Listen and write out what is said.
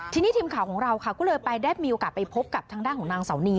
ทีนี้ทีมข่าวของเราค่ะก็เลยไปได้มีโอกาสไปพบกับทางด้านของนางเสานี